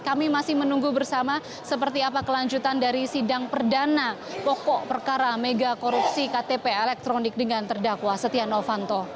kami masih menunggu bersama seperti apa kelanjutan dari sidang perdana pokok perkara mega korupsi ktp elektronik dengan terdakwa setia novanto